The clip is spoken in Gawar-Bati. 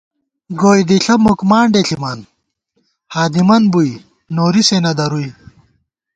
گوئے دِݪہ مُک مانڈے ݪِمان، ہادِمن بُوئی نوری سے نہ درُوئی